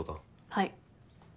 はい。